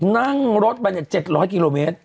นั่งรถมา๗๐๐กิโลเมตร